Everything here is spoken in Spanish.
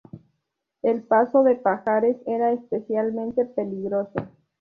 El paso por Pajares era especialmente peligroso.